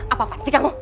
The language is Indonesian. apaan sih kamu